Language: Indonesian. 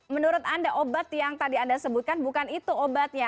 menurut anda obat yang tadi anda sebutkan bukan itu obatnya